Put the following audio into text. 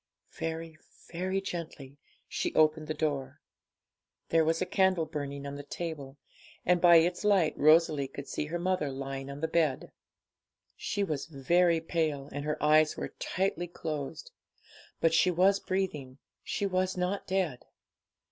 Very, very gently she opened the door. There was a candle burning on the table, and by its light Rosalie could see her mother lying on the bed. She was very pale, and her eyes were tightly closed. But she was breathing, she was not dead.